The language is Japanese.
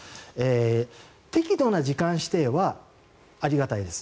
適度な時間指定はありがたいです。